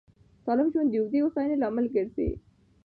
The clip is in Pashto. سالم ژوند د اوږدې هوساینې لامل ګرځي.